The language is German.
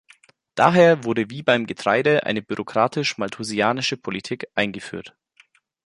Daher wurde wie beim Getreide eine "bürokratisch-malthusianische" Politik eingeführt.